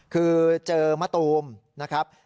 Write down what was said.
คือเจอมะตูมนะครับ